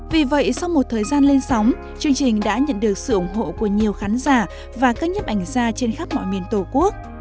vì vậy sau một thời gian lên sóng chương trình đã nhận được sự ủng hộ của nhiều khán giả và các nhếp ảnh gia trên khắp mọi miền tổ quốc